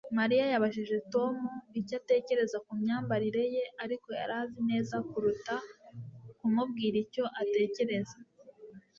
Mariya yabajije Tom icyo atekereza ku myambarire ye ariko yari azi neza kuruta kumubwira icyo atekereza